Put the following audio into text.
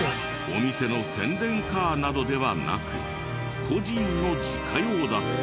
お店の宣伝カーなどではなく個人の自家用だった。